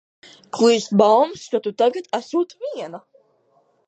Klīst baumas, ka tu tagad esot viena.